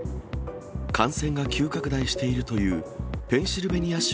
感染が急拡大しているという、ペンシルベニア州